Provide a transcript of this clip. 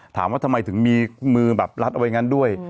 ถามว่าทำไมถึงมีมือแบบรัดเอาไว้งั้นด้วย